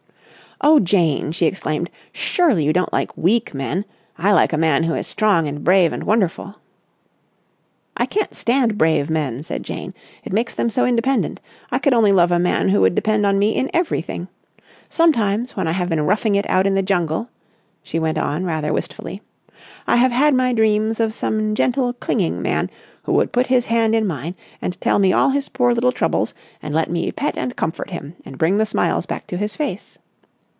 "Oh, Jane!" she exclaimed. "Surely you don't like weak men. I like a man who is strong and brave and wonderful." "I can't stand brave men," said Jane, "it makes them so independent. I could only love a man who would depend on me in everything. Sometimes, when I have been roughing it out in the jungle," she went on rather wistfully, "I have had my dreams of some gentle clinging man who would put his hand in mine and tell me all his poor little troubles and let me pet and comfort him and bring the smiles back to his face.